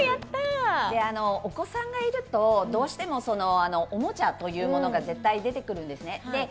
お子さんがいるとどうしてもおもちゃというものが絶対出てくるんですね。